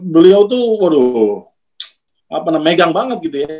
beliau tuh waduh apa namanya megang banget gitu ya